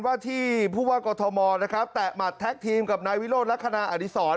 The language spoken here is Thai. มีผู้ว่ากอทมแตะหมัดแท็กทีมกับนายวิโรธและคณาอดิษร